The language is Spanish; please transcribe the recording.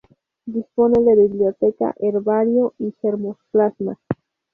Dispone de biblioteca, herbario y germoplasma.